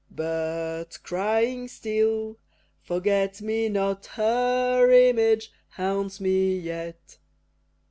But, crying still, "Forget me not," Her image haunts me yet.